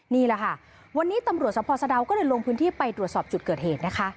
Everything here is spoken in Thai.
นี่แหละค่ะวันนี้ตำรวจสภสะดาวก็เลยลงพื้นที่ไปตรวจสอบจุดเกิดเหตุนะคะ